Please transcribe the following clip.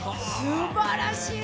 すばらしい。